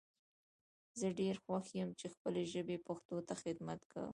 زه ډیر خوښ یم چی خپلې ژبي پښتو ته خدمت کوم